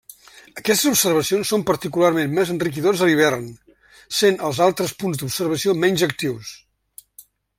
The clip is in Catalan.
Aquestes observacions són particularment més enriquidores a l'hivern, sent els altres punts d'observació menys actius.